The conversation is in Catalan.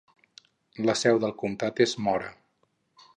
La seu del comtat és Mora.